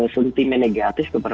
sentimen negatif kepada